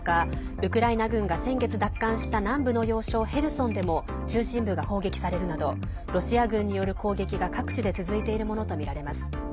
ウクライナ軍が先月奪還した南部の要衝ヘルソンでも中心部が砲撃されるなどロシア軍による攻撃が各地で続いているものとみられます。